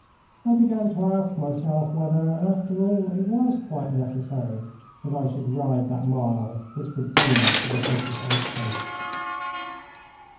I began to ask myself whether after all it was quite necessary that I should ride that mile which would bring me to the British outposts.